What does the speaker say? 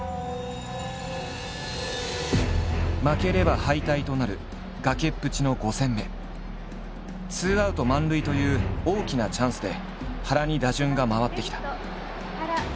負ければ敗退となる崖っぷちのツーアウト満塁という大きなチャンスで原に打順が回ってきた。